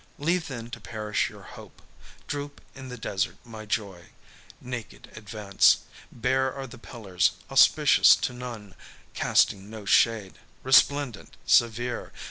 Leave then to perish your hope; droop in the desert my joy; naked advance. Bare are the pillars; auspicious to none; casting no shade; resplendent; severe.